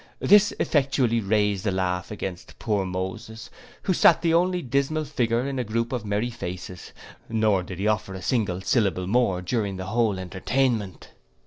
This effectually raised the laugh against poor Moses, who sate the only dismal figure in a groupe of merry faces: nor, did he offer a single syllable more during the whole entertainment.